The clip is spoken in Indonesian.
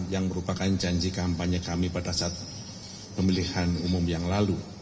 yang merupakan janji kampanye kami pada saat pemilihan umum yang lalu